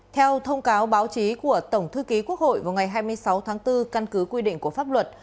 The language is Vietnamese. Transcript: theo thông cáo báo chí của tổng thư ký quốc hội vào ngày hai mươi sáu tháng bốn căn cứ quy định của pháp luật